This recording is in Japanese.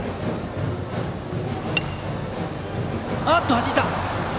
はじいた！